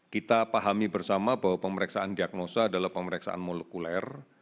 kita pahami bersama bahwa pemeriksaan diagnosa adalah pemeriksaan molekuler